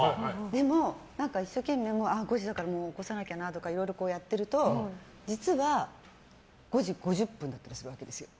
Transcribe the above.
でも、一生懸命５時だから起こさなきゃなとかいろいろ夜やってると実は、５時５０分だったり。